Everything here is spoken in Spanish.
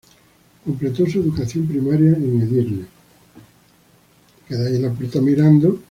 Completó su educación primaria en Edirne.